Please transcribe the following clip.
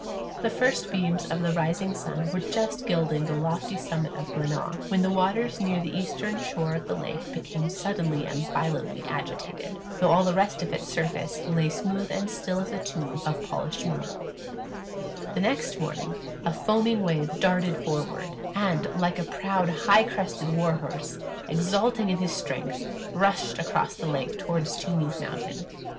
The first beams of the rising sun were just gilding the lofty summit of Glenaa, when the waters near the eastern shore of the lake became suddenly and violently agitated, though all the rest of its surface lay smooth and still as a tomb of polished marble, the next morning a foaming wave darted forward, and, like a proud high crested war horse, exulting in his strength, rushed across the lake toward Toomies mountain.